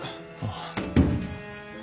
ああ。